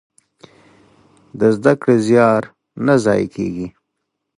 د زده کړې زيار نه ضايع کېږي.